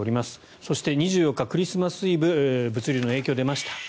そして２４日、クリスマスイブ物流に影響が出ました。